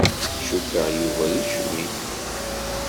Cukkeɣ Yuba d ucmit.